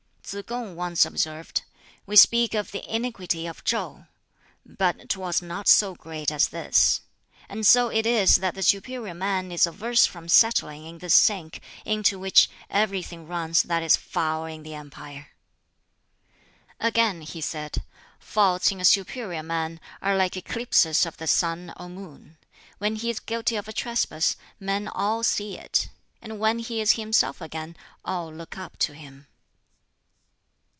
Tsz kung once observed, "We speak of 'the iniquity of ChŠu' but 'twas not so great as this. And so it is that the superior man is averse from settling in this sink, into which everything runs that is foul in the empire." Again he said, "Faults in a superior man are like eclipses of the sun or moon: when he is guilty of a trespass men all see it; and when he is himself again, all look up to him."